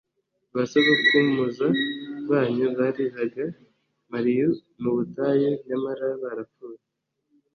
ba sogokumza banyu bariraga mariu mu butayu, nyamara barapfuye.